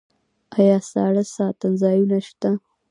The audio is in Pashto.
آیا ساړه ساتنځایونه شته؟